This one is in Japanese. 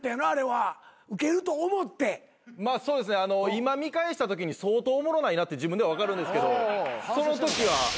今見返したときに相当おもろないなって自分では分かるんですけどそのときは。